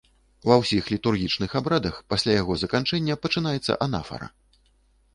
Ва ўсіх літургічных абрадах пасля яго заканчэння пачынаецца анафара.